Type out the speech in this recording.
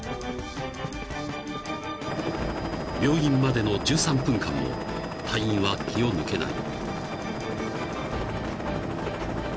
［病院までの１３分間も隊員は気を抜けない］